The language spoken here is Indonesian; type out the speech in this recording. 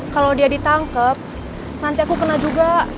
kalau dia ditangkap nanti aku kena juga